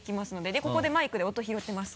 でここでマイクで音拾ってます。